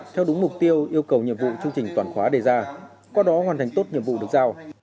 theo đúng mục tiêu yêu cầu nhiệm vụ chương trình toàn khóa đề ra qua đó hoàn thành tốt nhiệm vụ được giao